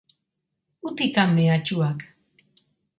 Utikan mehatxuak!